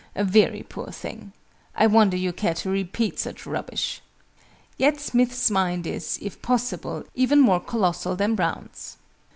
"A very poor thing! I wonder you care to repeat such rubbish!" Yet Smith's mind is, if possible, even more colossal than Brown's.